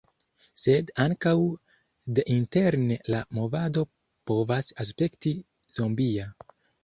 Sed ankaŭ deinterne la movado povas aspekti zombia.